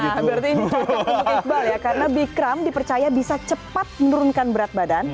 berarti instan untuk iqbal ya karena bikram dipercaya bisa cepat menurunkan berat badan